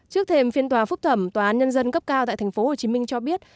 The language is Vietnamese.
trước thềm phiên tòa phúc thẩm tòa án nhân dân cấp cao tại tp hcm cho biết